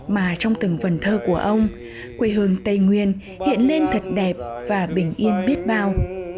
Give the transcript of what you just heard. mà trong từng vần thơ của ông quê hương tây nguyên hiện lên thật đẹp và bình yên biết bao